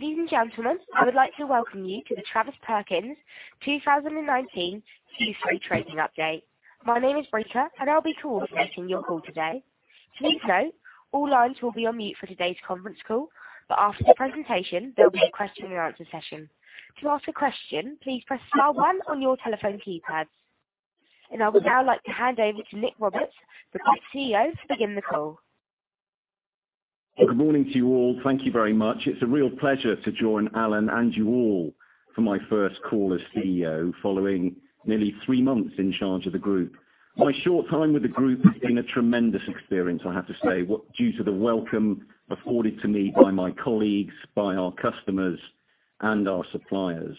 Ladies and gentlemen, I would like to welcome you to the Travis Perkins 2019 Q3 trading update. My name is Britta, I'll be coordinating your call today. Please note, all lines will be on mute for today's conference call. After the presentation, there will be a question and answer session. To ask a question, please press star 1 on your telephone keypad. I would now like to hand over to Nick Roberts, the Group CEO, to begin the call. Good morning to you all. Thank you very much. It is a real pleasure to join Alan and you all for my first call as CEO following nearly three months in charge of the group. My short time with the group has been a tremendous experience, I have to say, due to the welcome afforded to me by my colleagues, by our customers, and our suppliers.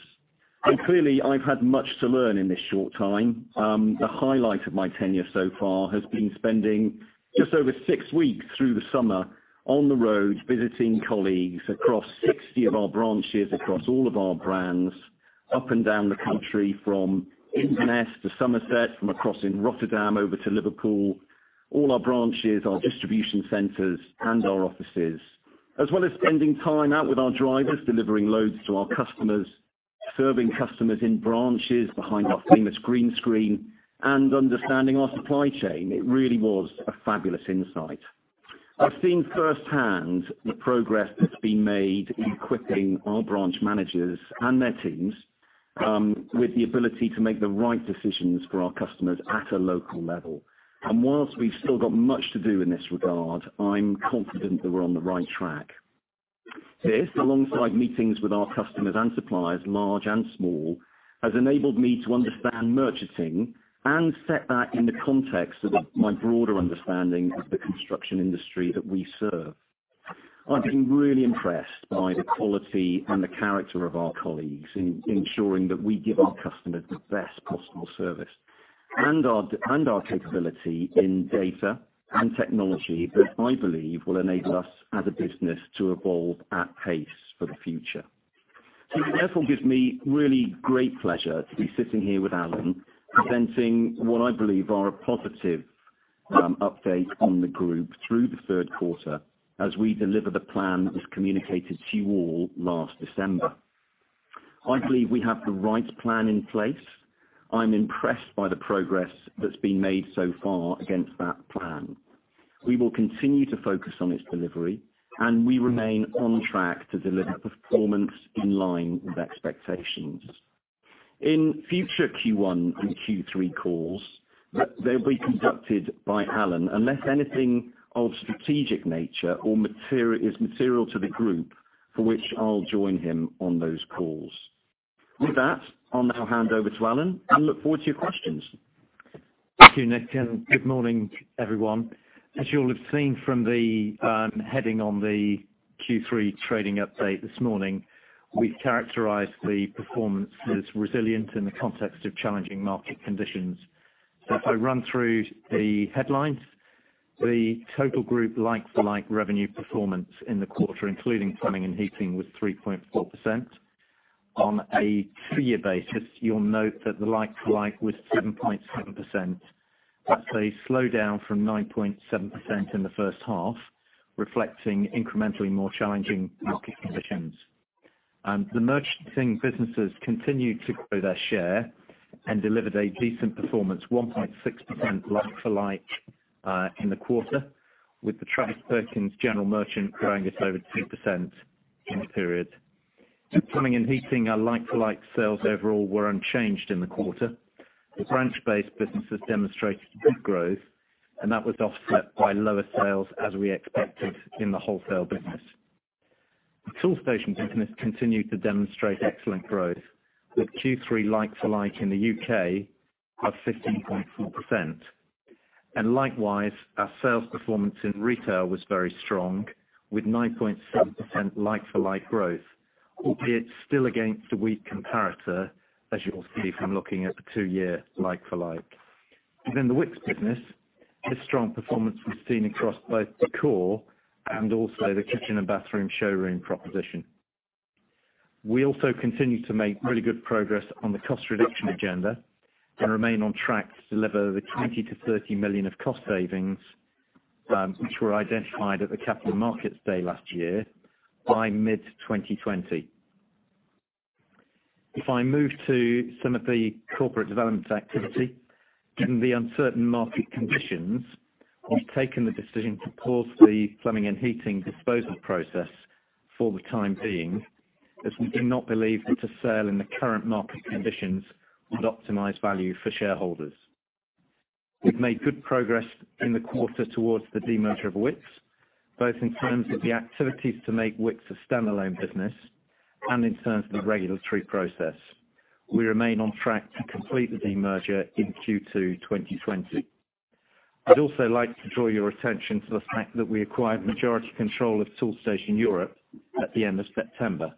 Clearly, I have had much to learn in this short time. The highlight of my tenure so far has been spending just over six weeks through the summer on the road, visiting colleagues across 60 of our branches, across all of our brands, up and down the country, from Inverness to Somerset, from across in Rotterdam over to Liverpool. All our branches, our distribution centers, and our offices. As well as spending time out with our drivers, delivering loads to our customers, serving customers in branches behind our famous green screen, and understanding our supply chain. It really was a fabulous insight. I've seen firsthand the progress that's been made in equipping our branch managers and their teams with the ability to make the right decisions for our customers at a local level. Whilst we've still got much to do in this regard, I'm confident that we're on the right track. This, alongside meetings with our customers and suppliers, large and small, has enabled me to understand merchanting and set that in the context of my broader understanding of the construction industry that we serve. I've been really impressed by the quality and the character of our colleagues in ensuring that we give our customers the best possible service, and our capability in data and technology that I believe will enable us as a business to evolve at pace for the future. It therefore gives me really great pleasure to be sitting here with Alan, presenting what I believe are a positive update on the group through the third quarter, as we deliver the plan that was communicated to you all last December. I believe we have the right plan in place. I'm impressed by the progress that's been made so far against that plan. We will continue to focus on its delivery, and we remain on track to deliver performance in line with expectations. In future Q1 and Q3 calls, they'll be conducted by Alan, unless anything of strategic nature or is material to the group, for which I'll join him on those calls. With that, I'll now hand over to Alan and look forward to your questions. Thank you, Nick. Good morning, everyone. As you'll have seen from the heading on the Q3 trading update this morning, we've characterized the performance as resilient in the context of challenging market conditions. If I run through the headlines, the total group like-for-like revenue performance in the quarter, including plumbing and heating, was 3.4%. On a three-year basis, you'll note that the like-for-like was 7.7%. That's a slowdown from 9.7% in the first half, reflecting incrementally more challenging market conditions. The merchanting businesses continued to grow their share and delivered a decent performance, 1.6% like-for-like in the quarter, with the Travis Perkins general merchant growing just over 2% in the period. In plumbing and heating, our like-for-like sales overall were unchanged in the quarter. The branch-based businesses demonstrated good growth, that was offset by lower sales as we expected in the wholesale business. The Toolstation business continued to demonstrate excellent growth, with Q3 like-for-like in the U.K. up 15.4%. Likewise, our sales performance in retail was very strong, with 9.7% like-for-like growth, albeit still against a weak comparator, as you'll see from looking at the two-year like-for-like. Within the Wickes business, a strong performance was seen across both the core and also the kitchen and bathroom showroom proposition. We also continue to make really good progress on the cost reduction agenda and remain on track to deliver the 20 million-30 million of cost savings, which were identified at the Capital Markets Day last year, by mid-2020. If I move to some of the corporate development activity. In the uncertain market conditions, we've taken the decision to pause the plumbing and heating disposal process for the time being, as we do not believe that a sale in the current market conditions would optimize value for shareholders. We've made good progress in the quarter towards the demerger of Wickes, both in terms of the activities to make Wickes a standalone business and in terms of the regulatory process. We remain on track to complete the demerger in Q2 2020. I'd also like to draw your attention to the fact that we acquired majority control of Toolstation Europe at the end of September.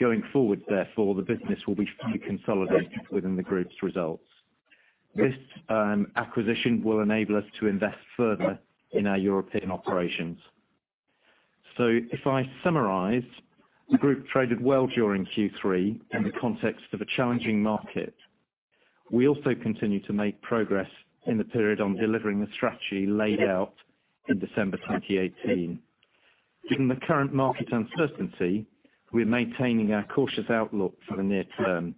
Going forward, therefore, the business will be fully consolidated within the group's results. This acquisition will enable us to invest further in our European operations. If I summarize, the group traded well during Q3 in the context of a challenging market. We also continue to make progress in the period on delivering the strategy laid out in December 2018. Given the current market uncertainty, we're maintaining our cautious outlook for the near term.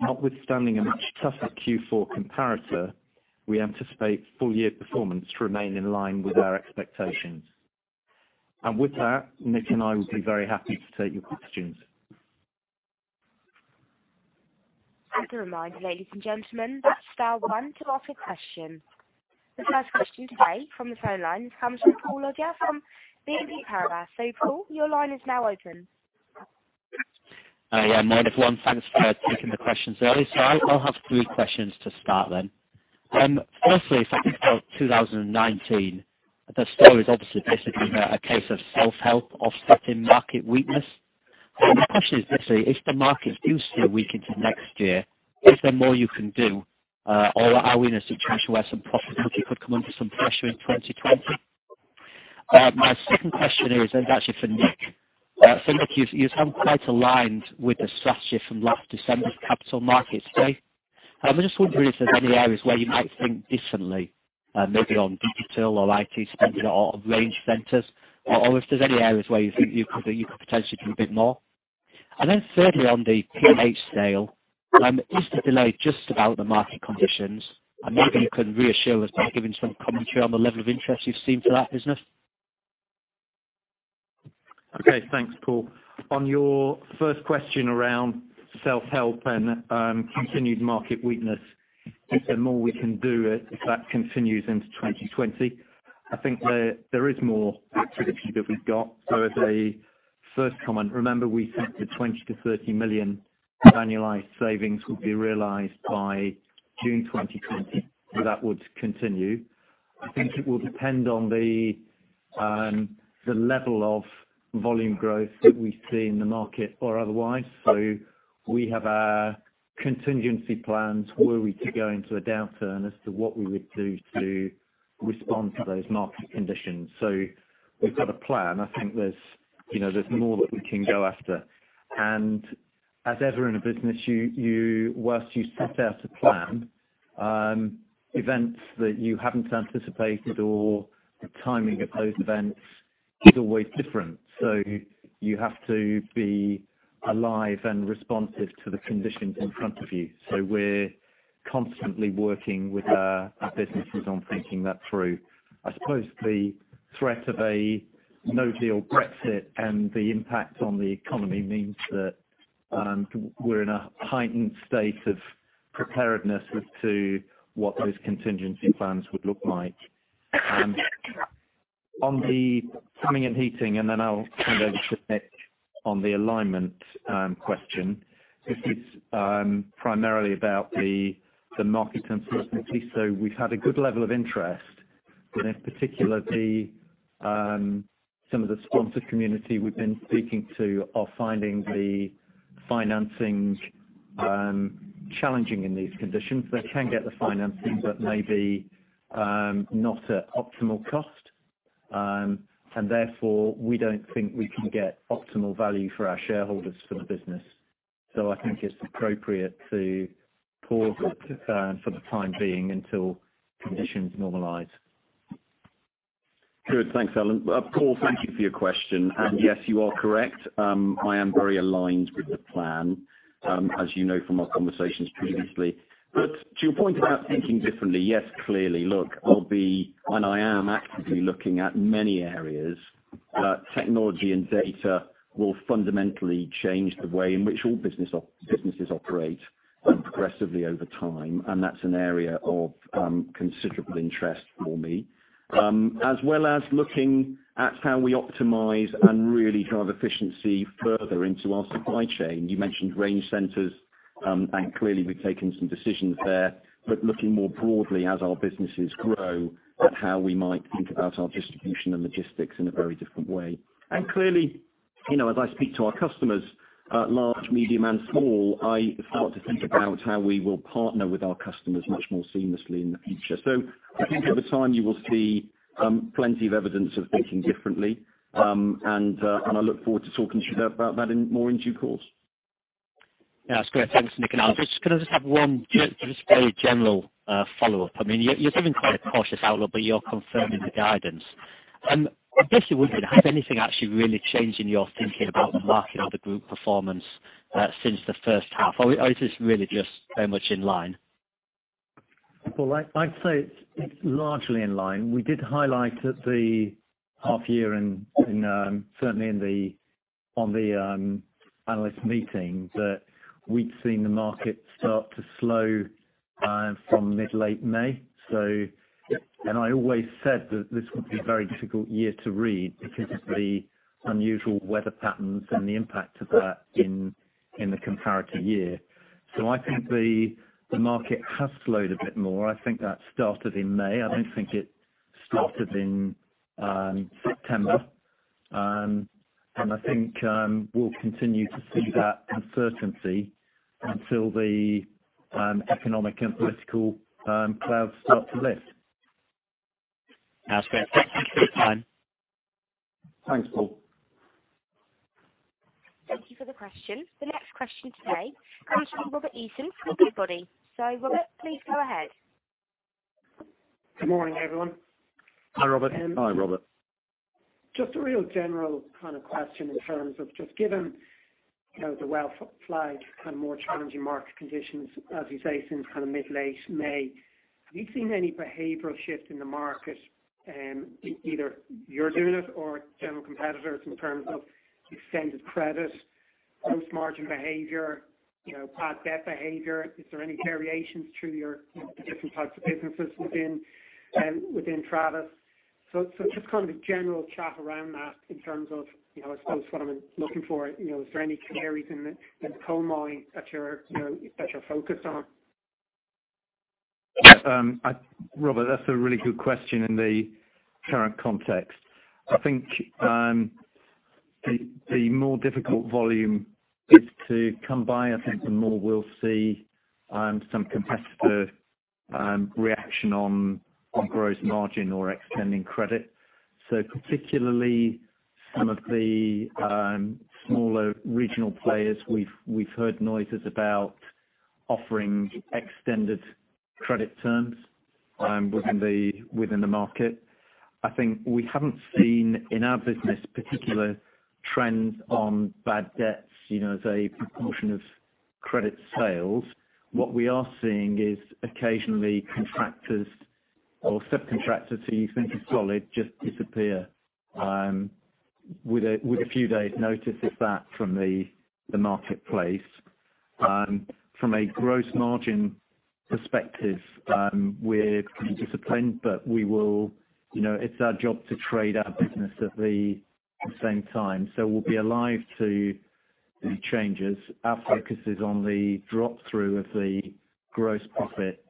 Notwithstanding a much tougher Q4 comparator, we anticipate full-year performance to remain in line with our expectations. With that, Nick and I will be very happy to take your questions. Just a reminder, ladies and gentlemen, that star one to ask a question. The first question today from the phone lines comes from Paul Sheridan from BNP Paribas. Paul, your line is now open. Morning, everyone. Thanks for taking the questions early. I'll have three questions to start. Firstly, for 2019, the story is a case of self-help offsetting market weakness. My question is, if the markets do stay weak into next year, is there more you can do? Are we in a situation where some profitability could come under some pressure in 2020? My second question is for Nick. Nick, you sound quite aligned with the strategy from last December's Capital Markets Day. I'm wondering if there's any areas where you might think differently, maybe on digital or IT spending at all Range Centers, or if there's any areas where you think you could potentially do a bit more. Thirdly, on the P&H sale, is the delay about the market conditions? Maybe you can reassure us by giving some commentary on the level of interest you've seen for that business. Okay, thanks, Paul. On your first question around self-help and continued market weakness, is there more we can do if that continues into 2020? I think there is more activity that we've got. As a first comment, remember we said the 20 million-30 million annualized savings would be realized by June 2020, so that would continue. I think it will depend on the level of volume growth that we see in the market or otherwise. We have our contingency plans, were we to go into a downturn, as to what we would do to respond to those market conditions. We've got a plan. I think there's more that we can go after. As ever in a business, whilst you set out a plan, events that you haven't anticipated or the timing of those events is always different. You have to be alive and responsive to the conditions in front of you. We're constantly working with our businesses on thinking that through. I suppose the threat of a no-deal Brexit and the impact on the economy means that we're in a heightened state of preparedness as to what those contingency plans would look like. On the plumbing and heating, and then I'll hand over to Nick on the alignment question. This is primarily about the market uncertainty. We've had a good level of interest, and in particular, some of the sponsor community we've been speaking to are finding the financing challenging in these conditions. They can get the financing, but maybe not at optimal cost, and therefore, we don't think we can get optimal value for our shareholders for the business. I think it's appropriate to pause it for the time being until conditions normalize. Good. Thanks, Alan. Paul, thank you for your question. Yes, you are correct. I am very aligned with the plan, as you know from our conversations previously. To your point about thinking differently, yes, clearly, look, I'll be, and I am actively looking at many areas. Technology and data will fundamentally change the way in which all businesses operate progressively over time, and that's an area of considerable interest for me, as well as looking at how we optimize and really drive efficiency further into our supply chain. You mentioned Range Centers, and clearly we've taken some decisions there, but looking more broadly as our businesses grow at how we might think about our distribution and logistics in a very different way. Clearly, as I speak to our customers, large, medium, and small, I start to think about how we will partner with our customers much more seamlessly in the future. I think over time you will see plenty of evidence of thinking differently. I look forward to talking to you about that more in due course. Yeah, that's great. Thanks, Nick. Can I just have one just very general follow-up? You're giving quite a cautious outlook, but you're confirming the guidance. Basically, has anything actually really changed in your thinking about the market or the group performance since the first half, or is this really just very much in line? Well, I'd say it's largely in line. We did highlight at the half year and certainly on the analyst meeting that we'd seen the market start to slow from mid-late May. I always said that this would be a very difficult year to read because of the unusual weather patterns and the impact of that in the comparative year. I think the market has slowed a bit more. I think that started in May. I don't think it started in September. I think we'll continue to see that uncertainty until the economic and political clouds start to lift. That's great. Thanks for your time. Thanks, Paul. Thank you for the question. The next question today comes from Robert Eason from Goodbody. Robert, please go ahead. Good morning, everyone. Hi, Robert. Hi, Robert. Just a real general kind of question in terms of just given the well-flagged kind of more challenging market conditions, as you say, since kind of mid-late May, have you seen any behavioral shift in the market, either you're doing it or general competitors in terms of extended credit, gross margin behavior, bad debt behavior? Is there any variations through your different types of businesses within Travis? Just kind of a general chat around that in terms of, I suppose what I'm looking for, is there any canaries in the coal mine that you're focused on? Robert, that's a really good question in the current context. I think the more difficult volume is to come by, I think the more we'll see some competitor reaction on gross margin or extending credit. Particularly some of the smaller regional players we've heard noises about offering extended credit terms within the market. I think we haven't seen in our business particular trends on bad debts, as a proportion of credit sales. What we are seeing is occasionally contractors or subcontractors who you think are solid just disappear, with a few days notice of that from the marketplace. From a gross margin perspective, we're kind of disciplined, but it's our job to trade our business at the same time. We'll be alive to the changes. Our focus is on the drop-through of the gross profit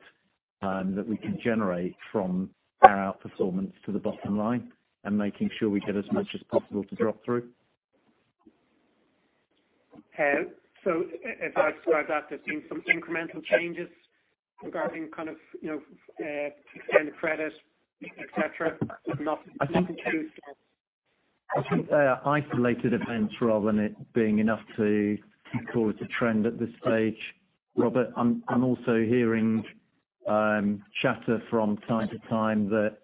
that we can generate from our outperformance to the bottom line and making sure we get as much as possible to drop through. If I describe that as seeing some incremental changes regarding kind of extended credit, et cetera, but not. I think they are isolated events rather than it being enough to call it a trend at this stage. Robert, I'm also hearing chatter from time to time that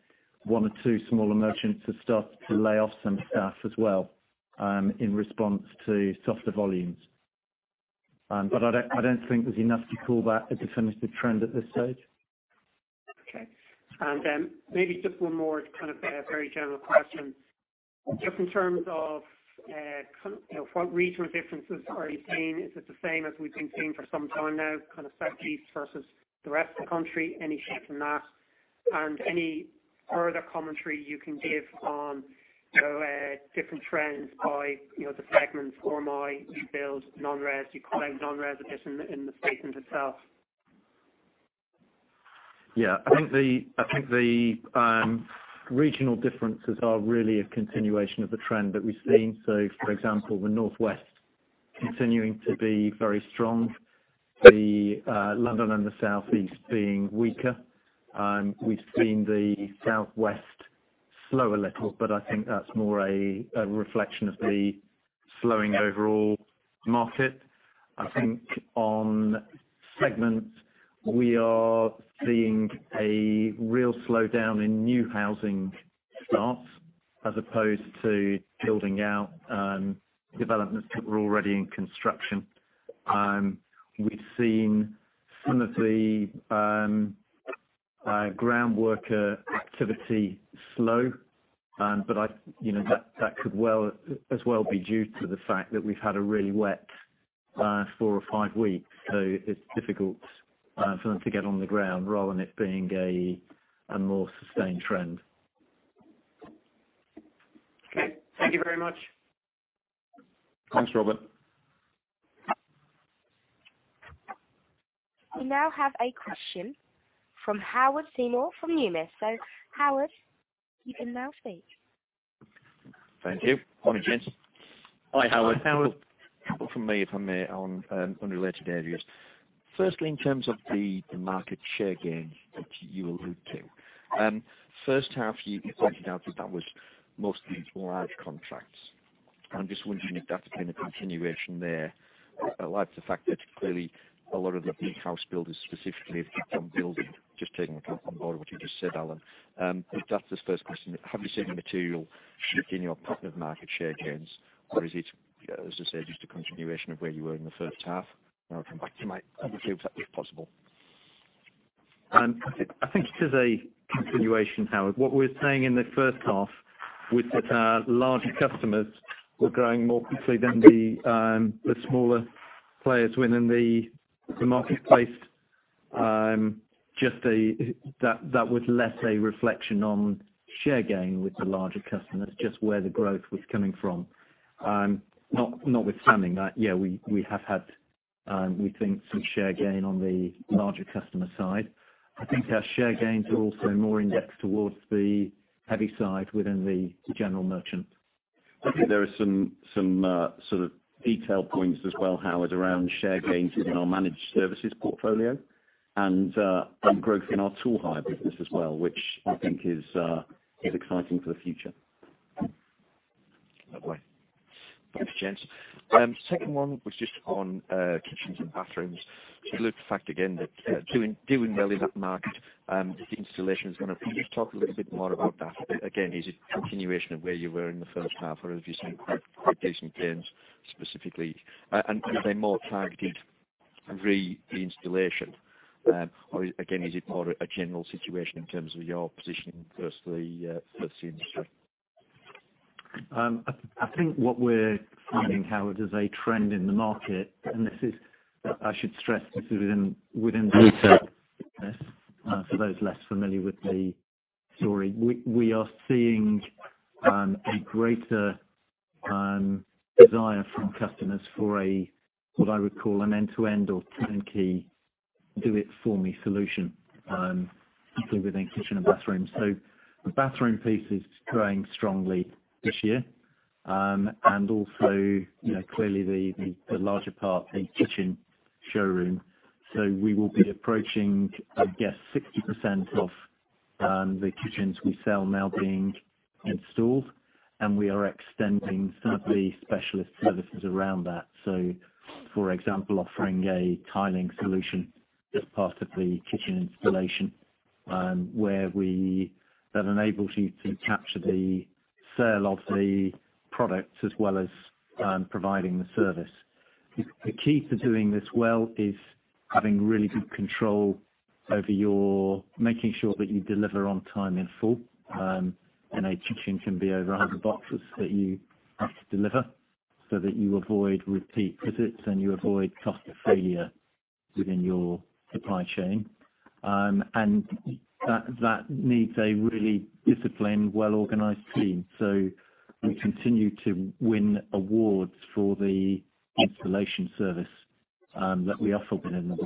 one or two smaller merchants have started to lay off some staff as well, in response to softer volumes. I don't think there's enough to call that a definitive trend at this stage. Okay. Then maybe just one more kind of very general question. Just in terms of what regional differences are you seeing, is it the same as we've been seeing for some time now, kind of Southeast versus the rest of the country? Any shift in that? Any further commentary you can give on different trends by the segments, RMI, new build, non-res. You called out non-res a bit in the statement itself. Yeah, I think the regional differences are really a continuation of the trend that we've seen. For example, the Northwest continuing to be very strong, London and the Southeast being weaker. We've seen the Southwest slow a little, but I think that's more a reflection of the slowing overall market. I think on segments, we are seeing a real slowdown in new housing starts as opposed to building out developments that were already in construction. We've seen some of the ground worker activity slow, but that could as well be due to the fact that we've had a really wet four or five weeks. It's difficult for them to get on the ground rather than it being a more sustained trend. Okay. Thank you very much. Thanks, Robert. We now have a question from Howard Seymour from Numis. Howard, you can now speak. Thank you. Morning, gents. Hi, Howard. A couple from me if I may, on unrelated areas. Firstly, in terms of the market share gains that you allude to. First half you pointed out that that was mostly large contracts. I'm just wondering if that's a kind of continuation there, allied to the fact that clearly a lot of the big house builders specifically have kept on building. Just taking on board what you just said, Alan. That's the first question. Have you seen a material shift in your pattern of market share gains or is it, as I said, just a continuation of where you were in the first half? I'll come back to my other two if that's possible. I think it is a continuation, Howard. What we were saying in the first half was that our larger customers were growing more quickly than the smaller players within the marketplace. That was less a reflection on share gain with the larger customers, just where the growth was coming from. Notwithstanding that, yeah, we have had, we think, some share gain on the larger customer side. I think our share gains are also more indexed towards the heavy side within the general merchant. I think there are some sort of detail points as well, Howard, around share gains within our managed services portfolio. Growth in our tool hire business as well, which I think is exciting for the future. Lovely. Thanks, gents. Second one was just on kitchens and bathrooms. Just allude to the fact again that doing well in that market and installation. Can you just talk a little bit more about that? Again, is it a continuation of where you were in the first half or have you seen quite decent gains specifically? Are they more targeted re installation, or again, is it more a general situation in terms of your position versus the industry? I think what we're finding, Howard, is a trend in the market, and I should stress this is within the retail business, for those less familiar with the story. We are seeing a greater desire from customers for what I would call an end-to-end or turnkey do it for me solution, particularly within kitchen and bathrooms. The bathroom piece is growing strongly this year. Also clearly the larger part, the kitchen showroom. We will be approaching, I guess, 60% of the kitchens we sell now being installed, and we are extending some of the specialist services around that. For example, offering a tiling solution as part of the kitchen installation, that enables you to capture the sale of the products as well as providing the service. The key to doing this well is having really good control over making sure that you deliver on time in full. A kitchen can be over 100 boxes that you have to deliver so that you avoid repeat visits and you avoid cost failure within your supply chain. That needs a really disciplined, well-organized team. We continue to win awards for the installation service that we offer within the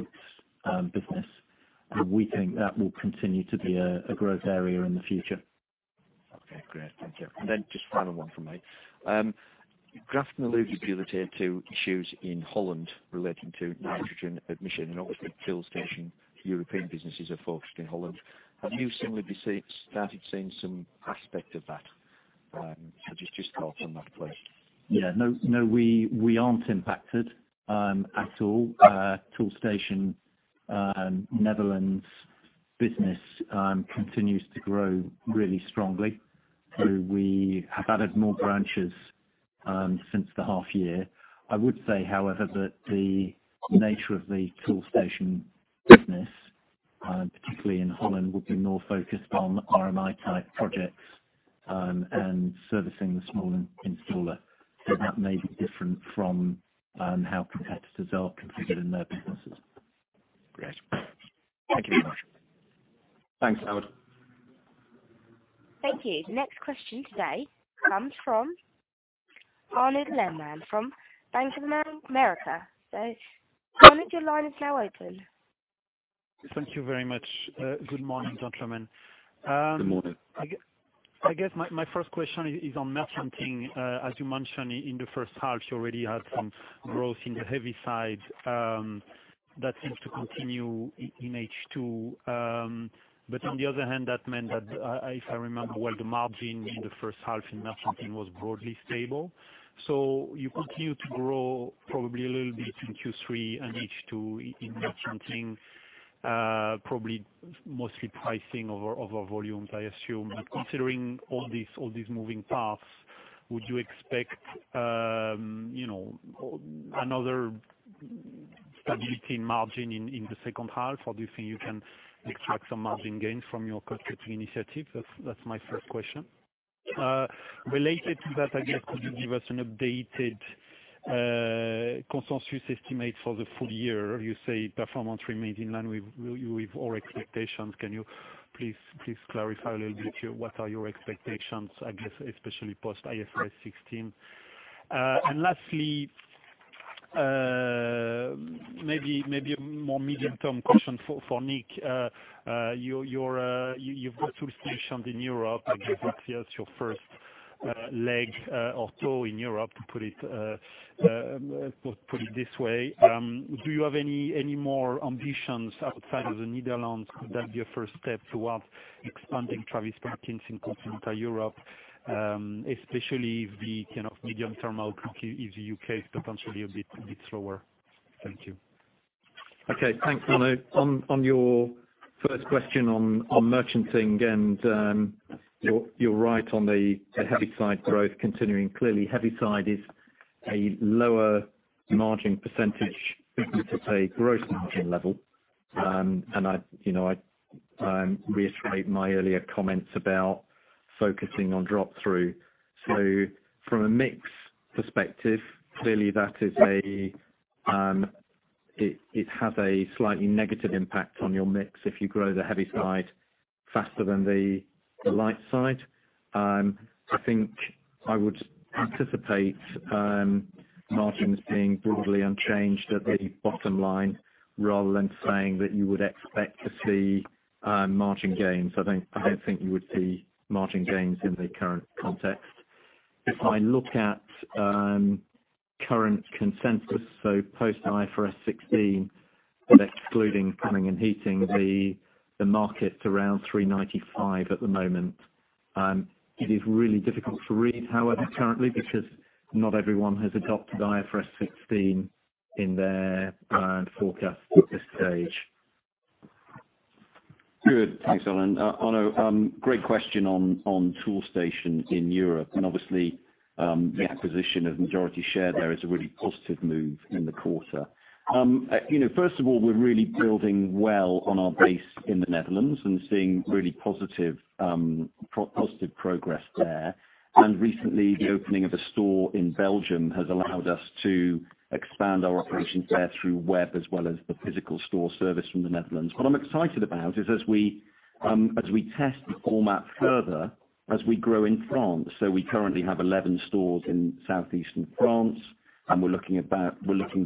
Wickes business, and we think that will continue to be a growth area in the future. Okay, great. Thank you. Just final one from me. Grafton alludes with the other two issues in Holland relating to nitrogen emission and obviously Toolstation European businesses are focused in Holland. Have you similarly started seeing some aspect of that? Just your thoughts on that, please. Yeah. No, we aren't impacted at all. Toolstation Netherlands business continues to grow really strongly. We have added more branches since the half year. I would say, however, that the nature of the Toolstation business, particularly in Holland, would be more focused on RMI type projects and servicing the small installer. That may be different from how competitors are configured in their businesses. Great. Thank you very much. Thanks, Howard. Thank you. Next question today comes from Arnaud Lemaire from Bank of America. Arnaud, your line is now open. Thank you very much. Good morning, gentlemen. Good morning. I guess my first question is on merchanting. As you mentioned in the first half, you already had some growth in the heavy side, that seems to continue in H2. On the other hand, that meant that if I remember well, the margin in the first half in merchanting was broadly stable. You continue to grow probably a little bit in Q3 and H2 in merchanting, probably mostly pricing over volumes, I assume. Considering all these moving parts, would you expect another stability in margin in the second half, or do you think you can extract some margin gains from your cost-saving initiatives? That's my first question. Related to that, I guess could you give us an updated consensus estimate for the full year? You say performance remains in line with your expectations. Can you please clarify a little bit what are your expectations, I guess especially post-IFRS 16? Lastly, maybe a more medium-term question for Nick. You've got Toolstation in Europe, and I think that's your first leg or toe in Europe, to put it this way. Do you have any more ambitions outside of the Netherlands? Could that be a first step towards expanding Travis Perkins in continental Europe? Especially if the kind of medium-term outlook in the U.K. is potentially a bit slower. Thank you. Okay. Thanks, Arnaud. On your first question on merchanting and you're right on the heavy side growth continuing. Clearly, heavy side is a lower margin percentage business at a gross margin level. I reiterate my earlier comments about focusing on drop-through. From a mix perspective, clearly it has a slightly negative impact on your mix if you grow the heavy side faster than the light side. I think I would anticipate margins being broadly unchanged at the bottom line rather than saying that you would expect to see margin gains. I don't think you would see margin gains in the current context. If I look at current consensus, post IFRS 16, but excluding plumbing and heating, the market is around 395 at the moment. It is really difficult to read, however, currently, because not everyone has adopted IFRS 16 in their forecast at this stage. Good. Thanks, Alan. Arnaud, great question on Toolstation in Europe, and obviously the acquisition of a majority share there is a really positive move in the quarter. First of all, we're really building well on our base in the Netherlands and seeing really positive progress there. Recently, the opening of a store in Belgium has allowed us to expand our operations there through web as well as the physical store service from the Netherlands. What I'm excited about is as we test the format further, as we grow in France, so we currently have 11 stores in southeastern France, and we're looking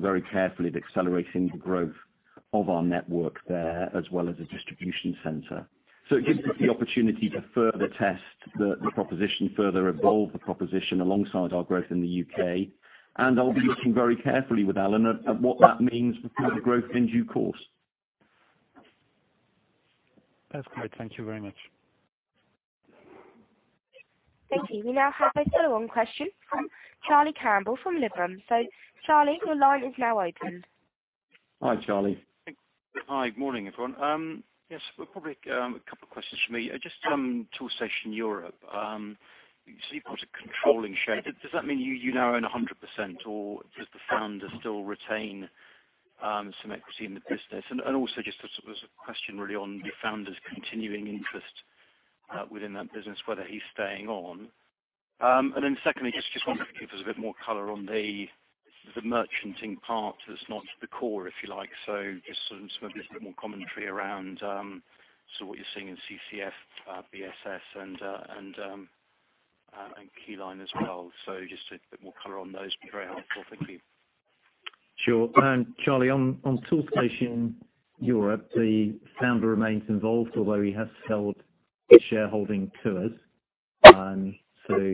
very carefully at accelerating the growth of our network there as well as a distribution center. It gives us the opportunity to further test the proposition, further evolve the proposition alongside our growth in the U.K. I'll be looking very carefully with Alan at what that means for further growth in due course. That's great. Thank you very much. Thank you. We now have a follow-on question from Charlie Campbell from Liberum. Charlie, your line is now open. Hi, Charlie. Hi. Morning, everyone. Probably a couple questions from me. Just on Toolstation Europe. You say you got a controlling share. Does that mean you now own 100%, or does the founder still retain some equity in the business? Also just there's a question really on the founder's continuing interest within that business, whether he's staying on. Then secondly, just wondering if you could give us a bit more color on the merchanting part that's not the core, if you like. Just maybe a bit more commentary around what you're seeing in CCF, BSS, and Keyline as well. Just a bit more color on those would be very helpful. Thank you. Sure. Charlie, on Toolstation Europe, the founder remains involved, although he has sold a shareholding to us.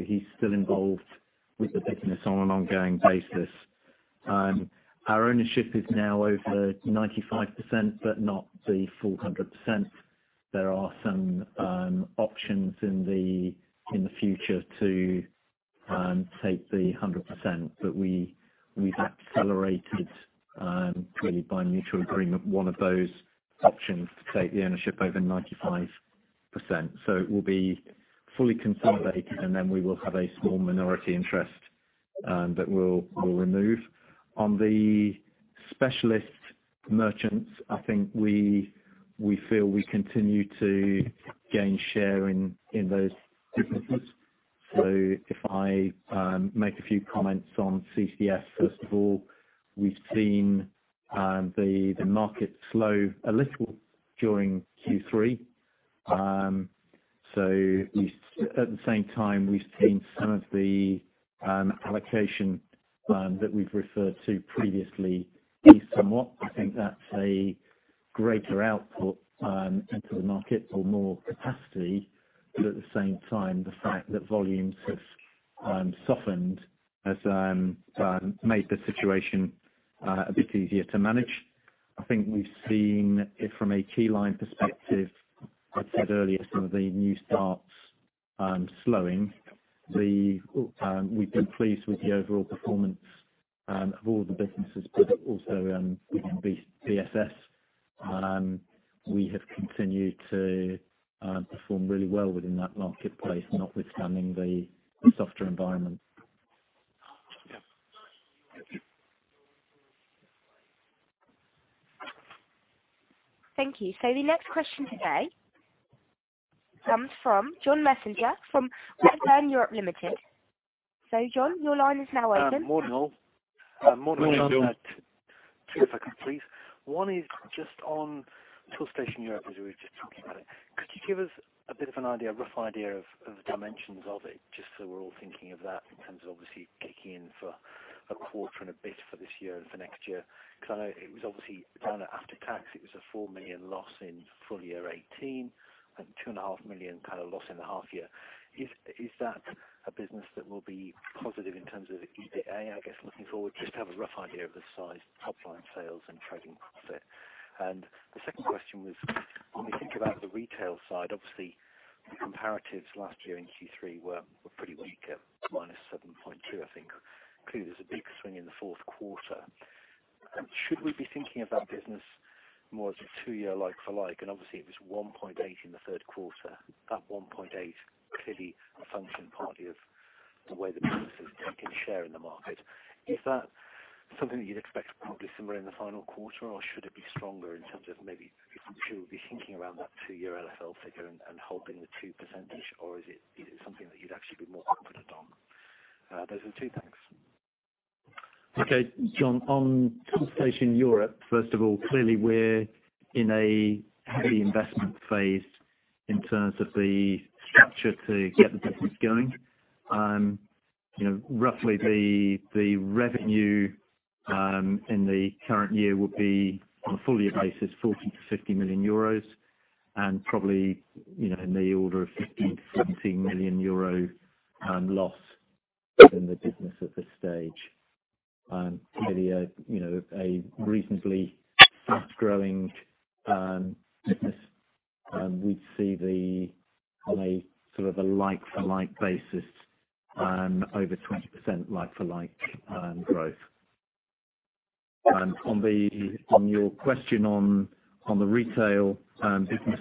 He's still involved with the business on an ongoing basis. Our ownership is now over 95%, but not the full 100%. There are some options in the future to take the 100%, but we've accelerated, really by mutual agreement, one of those options to take the ownership over 95%. It will be fully consolidated, and then we will have a small minority interest that we'll remove. On the specialist merchants, I think we feel we continue to gain share in those businesses. If I make a few comments on CCF, first of all, we've seen the market slow a little during Q3. At the same time, we've seen some of the allocation that we've referred to previously ease somewhat. I think that's a greater output into the market or more capacity, but at the same time, the fact that volumes have softened has made the situation a bit easier to manage. I think we've seen it from a Keyline perspective, I said earlier, some of the new starts slowing. We've been pleased with the overall performance of all the businesses, but also BSS. We have continued to perform really well within that marketplace, notwithstanding the softer environment. Thank you. The next question today comes from John Messenger from Redburn. John, your line is now open. Morning all. Morning John. Two if I could please. One is just on Toolstation Europe, as we were just talking about it. Could you give us a bit of an idea, a rough idea of the dimensions of it, just so we're all thinking of that in terms of obviously kicking in for a quarter and a bit for this year and for next year? I know it was obviously down after tax, it was a 4 million loss in full year 2018 and a two and a half million loss in the half year. Is that a business that will be positive in terms of the EBITDA, I guess, looking forward? Just to have a rough idea of the size, top line sales, and trading profit. The second question was when we think about the retail side, obviously the comparatives last year in Q3 were pretty weak at -7.2%, I think. Clearly, there's a big swing in the fourth quarter. Should we be thinking of that business more as a two-year like-for-like? Obviously it was 1.8 in the third quarter. That 1.8 clearly a function partly of the way the business is taking share in the market. Is that something that you'd expect probably similar in the final quarter, or should it be stronger in terms of maybe if we should be thinking around that two-year LFL figure and holding the 2%, or is it something that you'd actually be more confident on? Those are two things. Okay. John, on Toolstation Europe, first of all, clearly we are in a heavy investment phase in terms of the structure to get the business going. Roughly the revenue in the current year would be on a full year basis, 40 million-50 million euros. Probably in the order of 15 million-17 million euro loss in the business at this stage. Clearly, a reasonably fast-growing business. We'd see on a like-for-like basis, over 20% like-for-like growth. On your question on the retail business.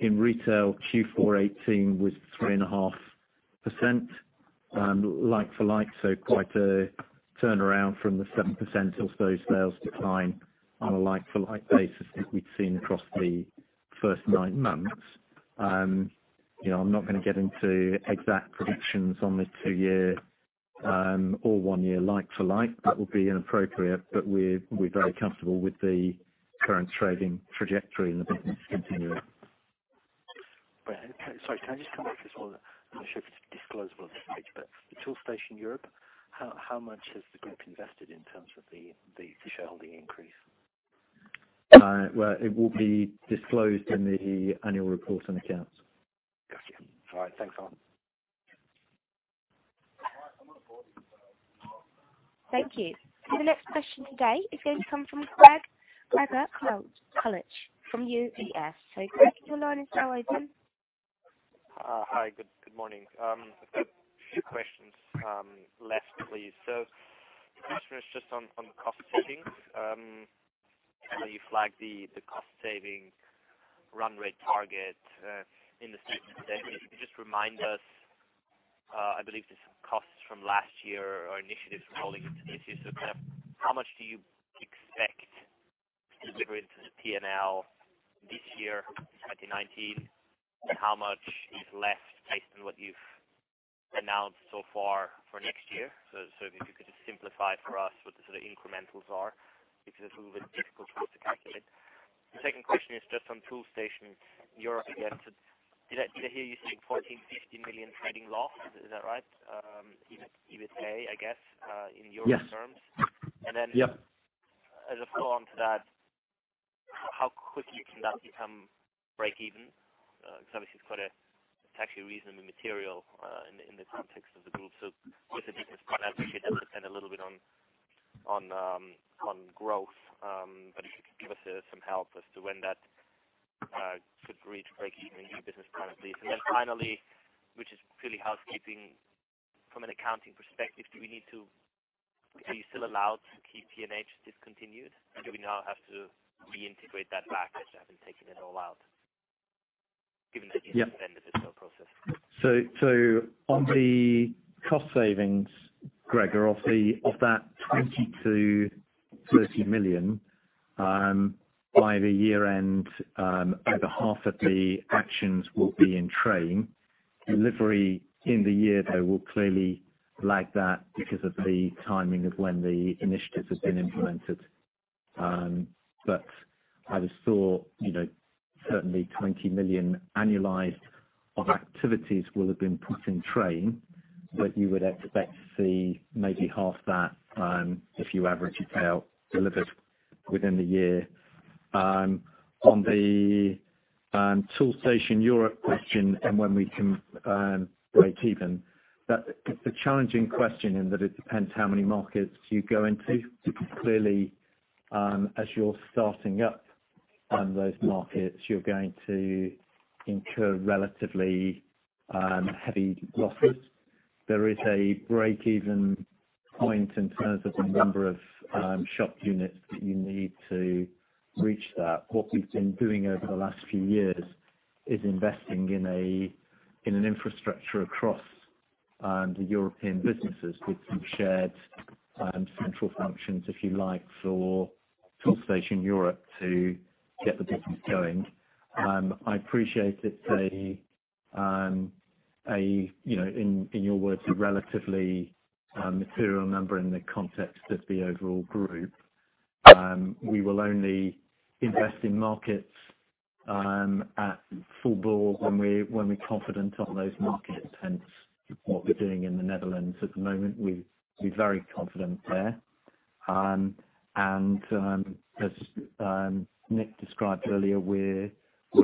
In retail, Q4 2018 was 3.5% like-for-like, quite a turnaround from the 7% or so sales decline on a like-for-like basis that we'd seen across the first nine months. I'm not going to get into exact predictions on the two-year or one-year like-for-like. That would be inappropriate, but we are very comfortable with the current trading trajectory and the business continuing. Sorry, can I just come back to this one? I'm not sure if it's disclosable at this stage, but the Toolstation Europe, how much has the group invested in terms of the shareholding increase? Well, it will be disclosed in the annual report and accounts. Got you. All right. Thanks, Alan. Thank you. The next question today is going to come from Gregor Kuglicz from UBS. Gregor, your line is now open. Hi. Good morning. I have got a few questions left, please. The first is just on the cost savings. I know you flagged the cost saving run rate target in the statement today. Can you just remind us, I believe there is some costs from last year or initiatives rolling into this year. Kind of how much do you expect to deliver into the P&L this year, 2019? How much is left based on what you have announced so far for next year? If you could just simplify it for us, what the sort of incrementals are. It is a little bit difficult for us to calculate. The second question is just on Toolstation Europe again. Did I hear you saying 14 million-15 million trading loss? Is that right? EBITDA, I guess, in EUR terms. Yes. And then- Yep As a follow-on to that, how quickly can that become break even? Obviously it's actually reasonably material in the context of the group. Obviously, business plan appreciate it will depend a little bit on growth. If you could give us some help as to when that could reach break even in new business plan at least. Then finally, which is purely housekeeping from an accounting perspective, are you still allowed to keep P&H discontinued? Do we now have to reintegrate that back as you having taken it all out given that you- Yeah ended the sale process? On the cost savings, Gregor, of that 20 million to 30 million, by the year end, over half of the actions will be in train. Delivery in the year, though, will clearly lag that because of the timing of when the initiatives have been implemented. As a sort, certainly 20 million annualized of activities will have been put in train, but you would expect to see maybe half that, if you average it out, delivered within the year. On the Toolstation Europe question and when we can break even. It's a challenging question in that it depends how many markets you go into, because clearly, as you are starting up those markets, you're going to incur relatively heavy losses. There is a break-even point in terms of the number of shop units that you need to reach that. What we've been doing over the last two years is investing in an infrastructure across the European businesses with some shared central functions, if you like, for Toolstation Europe to get the business going. I appreciate it's a, in your words, a relatively material number in the context of the overall group. We will only invest in markets at full bore when we are confident on those markets, hence what we're doing in the Netherlands at the moment. We are very confident there. As Nick described earlier, we're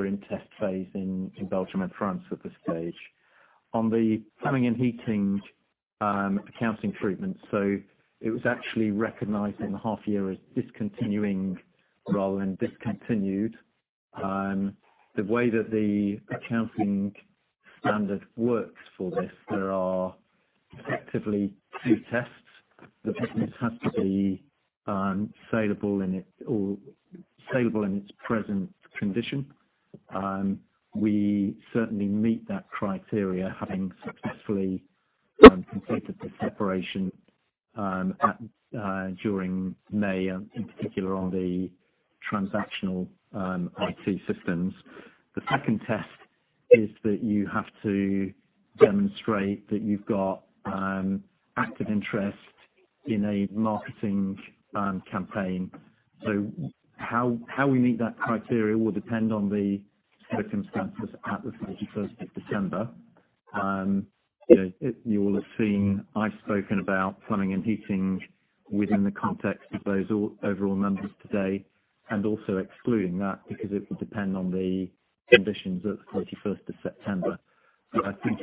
in test phase in Belgium and France at this stage. On the plumbing and heating accounting treatment. It was actually recognized in the half year as discontinuing rather than discontinued. The way that the accounting standard works for this, there are effectively two tests. The business has to be salable in its present condition. We certainly meet that criteria having successfully completed the separation during May, in particular on the transactional IT systems. The second test is that you have to demonstrate that you've got active interest in a marketing campaign. How we meet that criteria will depend on the circumstances at the 31st of December. You will have seen, I've spoken about plumbing and heating within the context of those overall numbers today, and also excluding that because it will depend on the conditions at 31st of September. I think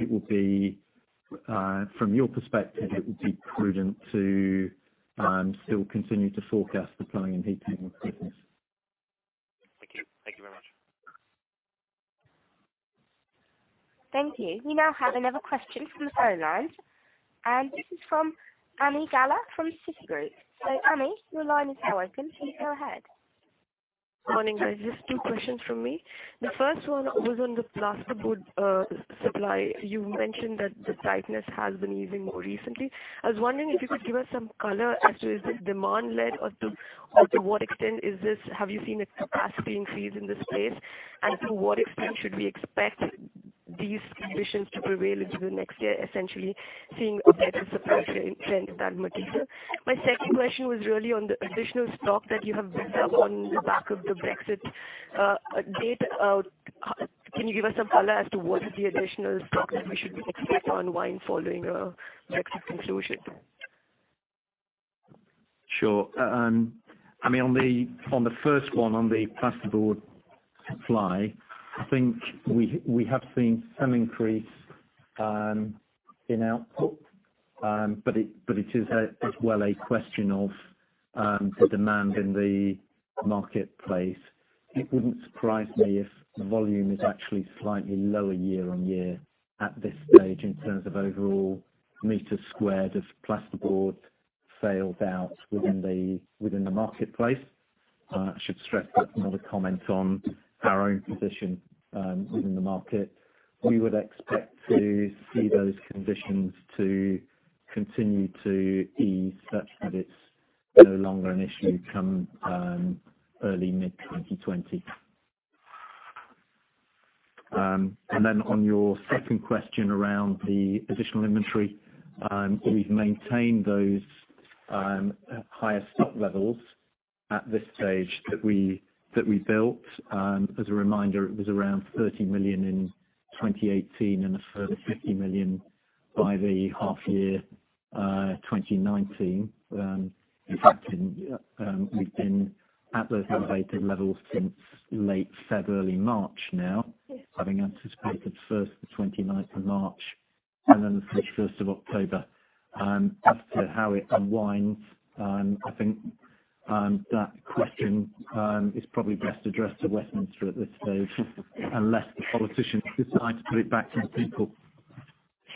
from your perspective, it would be prudent to still continue to forecast the plumbing and heating business. Thank you. Thank you very much. Thank you. We now have another question from the phone lines, and this is from Ami Galla from Citigroup. Ami, your line is now open. Please go ahead. Morning, guys. Just two questions from me. The first one was on the plasterboard supply. You mentioned that the tightness has been easing more recently. I was wondering if you could give us some color as to is it demand led or to what extent have you seen a capacity increase in this space? To what extent should we expect these conditions to prevail into the next year, essentially, seeing a better supply trend than material? My second question was really on the additional stock that you have built up on the back of the Brexit date. Can you give us some color as to what is the additional stock that we should be expecting to unwind following a Brexit conclusion? Sure. I mean, on the first one, on the plasterboard supply, I think we have seen some increase in output, but it is as well a question of the demand in the marketplace. It wouldn't surprise me if the volume is actually slightly lower year-on-year at this stage in terms of overall meters squared of plasterboard sold within the marketplace. I should stress that's not a comment on our own position within the market. We would expect to see those conditions to continue to ease such that it's no longer an issue come early mid 2020. Then on your second question around the additional inventory, we've maintained those higher stock levels at this stage that we built. As a reminder, it was around 30 million in 2018 and a further 50 million by the half year 2019. In fact, we've been at those elevated levels since late February, March now, having anticipated first the 29th of March and then the 31st of October. As to how it unwinds, I think that question is probably best addressed to Westminster at this stage, unless the politicians decide to put it back to the people.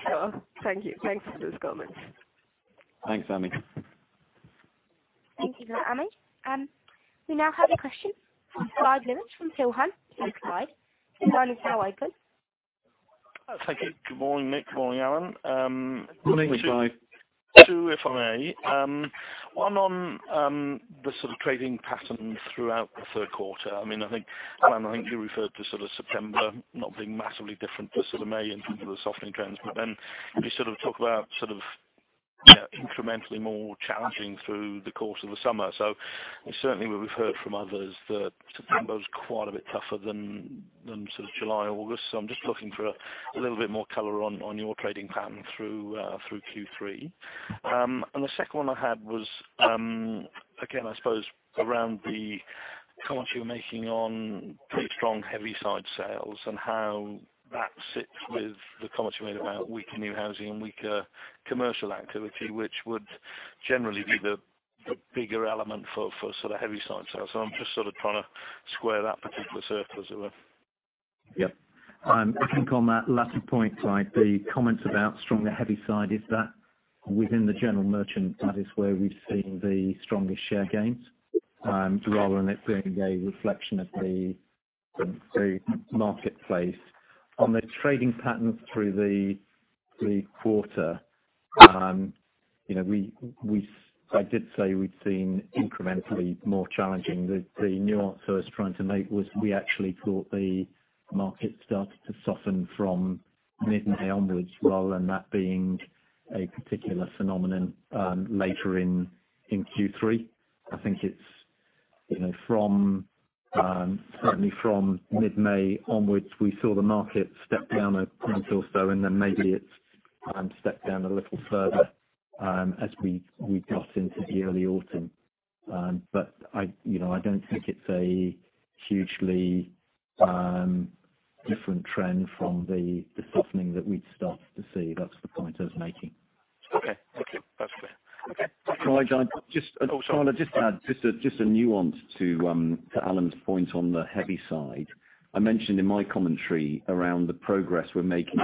Sure. Thank you. Thanks for those comments. Thanks, Ami. Thank you, Ami. We now have a question from Clyde Lewis from Peel Hunt. Clyde, your line is now open. Thank you. Good morning, Nick. Good morning, Alan. Morning, Clyde. Two, if I may. One on the trading pattern throughout the third quarter. I mean, Alan, I think you referred to September not being massively different to May in terms of the softening trends. You talk about incrementally more challenging through the course of the summer. Certainly, we've heard from others that September was quite a bit tougher than July, August. I'm just looking for a little bit more color on your trading pattern through Q3. The second one I had was, again I suppose around the comments you were making on pretty strong heavy side sales and how that sits with the comments you made about weaker new housing and weaker commercial activity, which would generally be the bigger element for heavy side sales. I'm just trying to square that particular circle, as it were. Yeah. I think on that latter point, Clyde, the comments about stronger heavy side is that within the general merchant, that is where we've seen the strongest share gains, rather than it being a reflection of the marketplace. On the trading patterns through the quarter, I did say we'd seen incrementally more challenging. The nuance I was trying to make was we actually thought the market started to soften from mid-May onwards, rather than that being a particular phenomenon later in Q3. I think certainly from mid-May onwards, we saw the market step down a point or so, and then maybe it stepped down a little further as we got into the early autumn. I don't think it's a hugely different trend from the softening that we'd start to see. That's the point I was making. Okay. Thank you. That's clear. Okay. Clyde, just to add just a nuance to Alan's point on the heavy side. I mentioned in my commentary around the progress we're making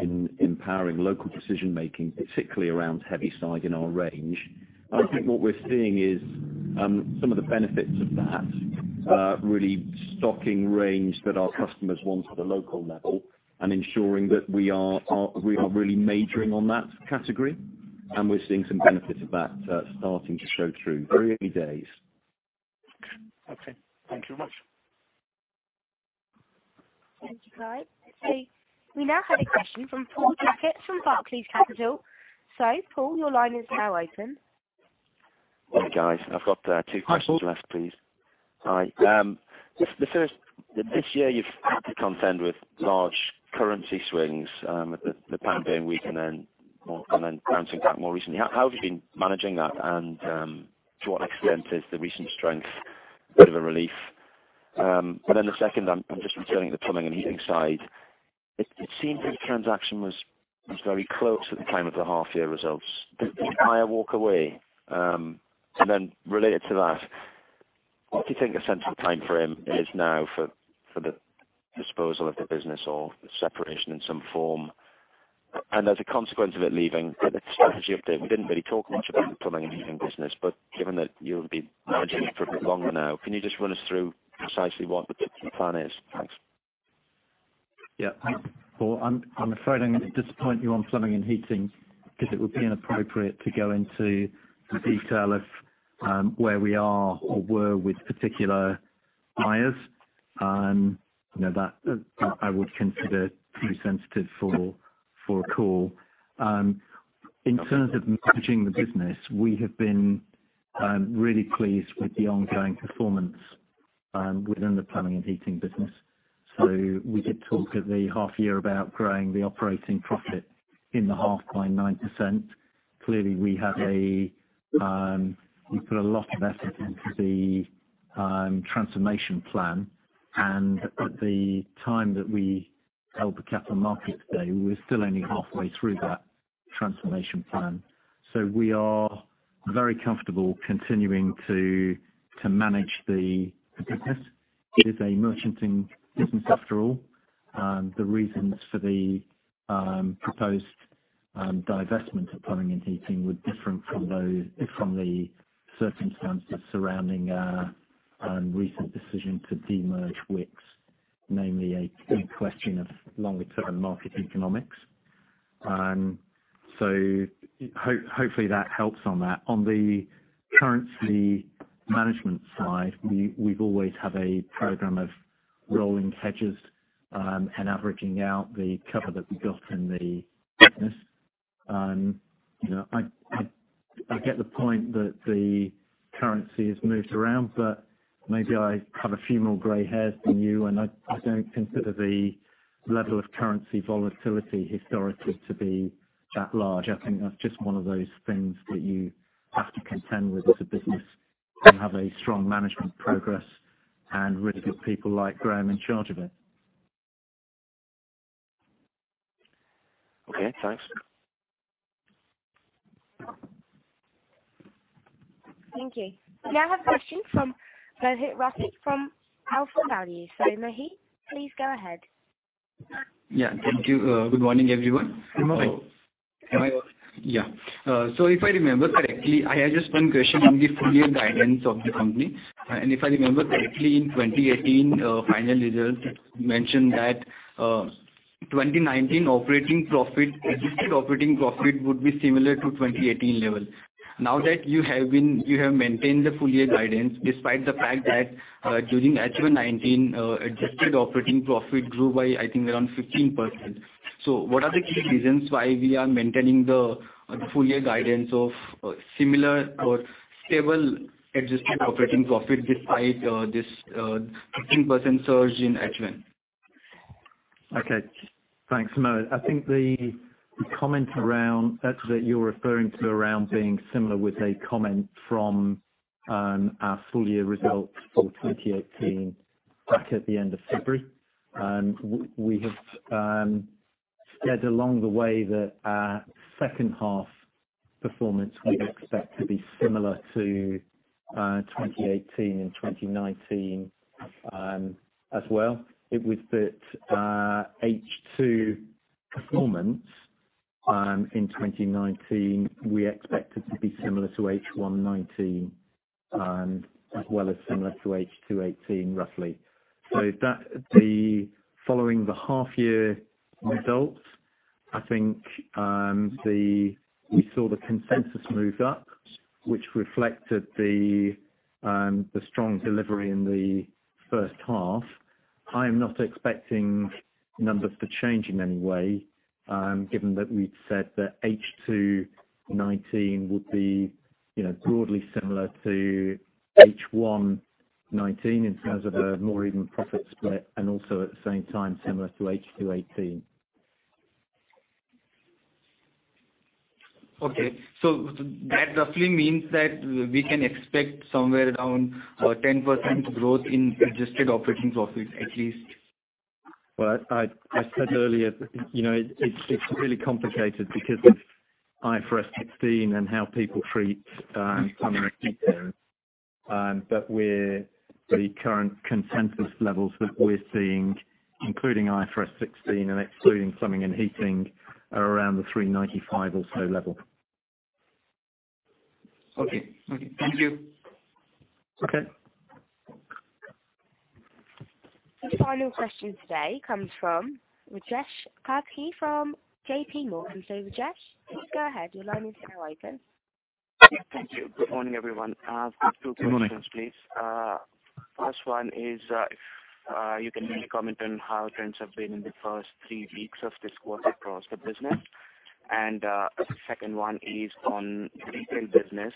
in empowering local decision making, particularly around heavy side in our range. I think what we're seeing is some of the benefits of that, really stocking range that our customers want at a local level and ensuring that we are really majoring on that category, and we're seeing some benefits of that starting to show through. Very early days. Okay. Thank you very much. Thank you, Clyde. We now have a question from Paul Jackman from Barclays Capital. Paul, your line is now open Hi, guys. I've got two questions left, please. Hi, Paul. Hi. The first, this year you've had to contend with large currency swings, the pound being weak and then bouncing back more recently. How have you been managing that and to what extent is the recent strength bit of a relief? The second, I'm just returning to the plumbing and heating side. It seemed that transaction was very close at the time of the half year results. Did the buyer walk away? Related to that, what do you think a sensible timeframe is now for the disposal of the business or separation in some form? As a consequence of it leaving, the strategy update, we didn't really talk much about the plumbing and heating business, but given that you'll be managing it for a bit longer now, can you just run us through precisely what the plan is? Thanks. Yeah. Paul, I'm afraid I'm going to disappoint you on plumbing and heating because it would be inappropriate to go into the detail of where we are or were with particular buyers. That, I would consider too sensitive for a call. In terms of managing the business, we have been really pleased with the ongoing performance within the plumbing and heating business. We did talk at the half year about growing the operating profit in the half by 9%. Clearly, we put a lot of effort into the transformation plan, and at the time that we held the Capital Markets Day, we were still only halfway through that transformation plan. We are very comfortable continuing to manage the business. It is a merchanting business after all. The reasons for the proposed divestment of plumbing and heating were different from the circumstances surrounding our recent decision to de-merge Wickes, namely a question of longer-term market economics. Hopefully that helps on that. On the currency management side, we always have a program of rolling hedges and averaging out the cover that we got in the business. I get the point that the currency has moved around, but maybe I have a few more gray hairs than you, and I don't consider the level of currency volatility historically to be that large. I think that's just one of those things that you have to contend with as a business and have a strong management progress and really good people like Graham in charge of it. Okay, thanks. Thank you. We now have a question from Mohit Rastogi, from AlphaValue. Mohit, please go ahead. Yeah, thank you. Good morning, everyone. Mohit. Am I on? Yeah. If I remember correctly, I had just one question on the full year guidance of the company. If I remember correctly, in 2018, final results mentioned that 2019 adjusted operating profit would be similar to 2018 levels. Now that you have maintained the full year guidance, despite the fact that during H1 2019, adjusted operating profit grew by, I think, around 15%. What are the key reasons why we are maintaining the full year guidance of similar or stable adjusted operating profit despite this 15% surge in H1? Okay. Thanks, Mohit. I think the comment that you're referring to around being similar was a comment from our full year results for 2018 back at the end of February. We have said along the way that our second half performance we expect to be similar to 2018 and 2019 as well. It was that H2 performance in 2019 we expected to be similar to H1 2019, as well as similar to H2 2018, roughly. Following the half year results, I think we saw the consensus move up, which reflected the strong delivery in the first half. I am not expecting numbers to change in any way, given that we'd said that H2 2019 would be broadly similar to H1 2019 in terms of a more even profit split, and also at the same time similar to H2 2018. Okay. That roughly means that we can expect somewhere around a 10% growth in adjusted operating profits, at least? Well, I said earlier, it's really complicated because of IFRS 16 and how people treat plumbing and heating. The current consensus levels that we're seeing, including IFRS 16 and excluding plumbing and heating, are around the 395 or so level. Okay. Thank you. Okay. The final question today comes from Rajesh Karkera from JP Morgan. Rajesh, please go ahead. Your line is now open. Yeah. Thank you. Good morning, everyone. Good morning. I have two questions, please. First one is if you can maybe comment on how trends have been in the first three weeks of this quarter across the business. Second one is on retail business.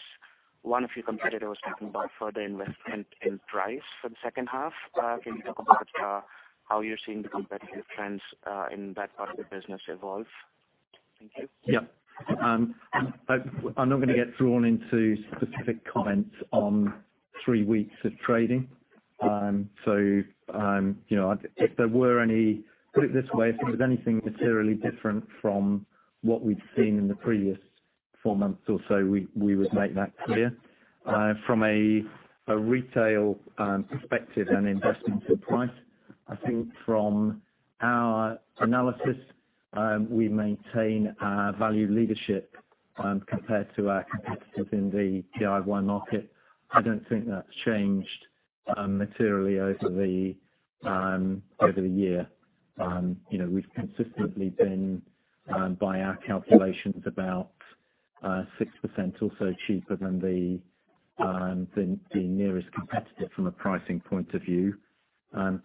One of your competitors talking about further investment in price for the second half. Can you talk about how you're seeing the competitive trends in that part of the business evolve? Thank you. Yeah. I'm not going to get drawn into specific comments on three weeks of trading. Put it this way, if there was anything materially different from what we'd seen in the previous four months or so, we would make that clear. From a retail perspective and investment in price, I think from our analysis, we maintain our value leadership, compared to our competitors in the DIY market. I don't think that's changed materially over the year. We've consistently been, by our calculations, about 6% or so cheaper than the nearest competitor from a pricing point of view.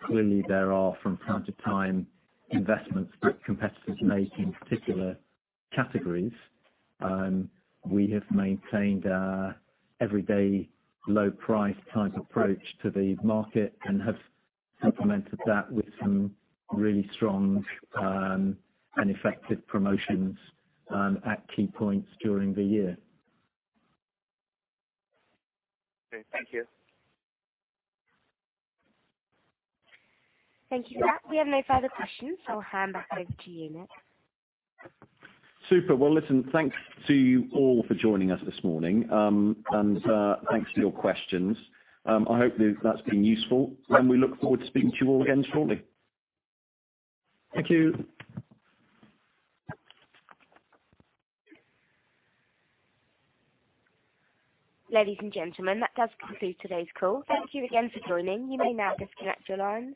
Clearly, there are, from time to time, investments that competitors make in particular categories. We have maintained our everyday low price type approach to the market and have supplemented that with some really strong and effective promotions at key points during the year. Okay, thank you. Thank you for that. We have no further questions. I'll hand back over to you, Nick. Super. Well, listen, thanks to you all for joining us this morning. Thanks for your questions. I hope that's been useful, and we look forward to speaking to you all again shortly. Thank you. Ladies and gentlemen, that does conclude today's call. Thank you again for joining. You may now disconnect your lines.